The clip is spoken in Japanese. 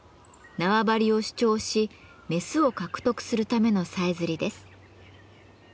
縄張りを主張しメスを獲得するためのさえずりです。